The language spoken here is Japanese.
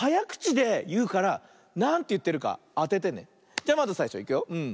じゃまずさいしょいくよ。